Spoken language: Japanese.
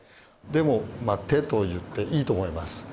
でもまあ手と言っていいと思います。